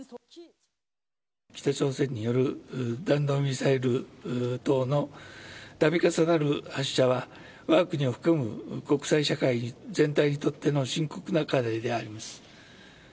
北朝鮮による弾道ミサイル等のたび重なる発射は、わが国を含む国際社会全体にとっての深刻な課題であります。